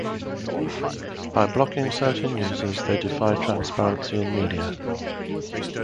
By blocking certain users, they defy transparency in media.